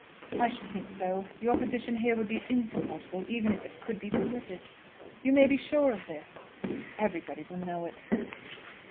"I should think so. Your position here would be insupportable even if it could be permitted. You may be sure of this; everybody will know it."